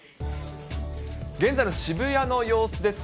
現在の渋谷の様子です。